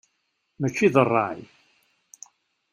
Mačči d rray.